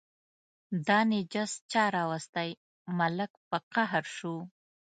دا نجس چا راوستی، ملک په قهر شو.